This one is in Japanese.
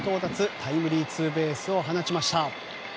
タイムリーツーベースを放ちました。